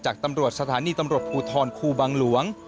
ตำรวจสถานีตำรวจภูทรครูบังหลวง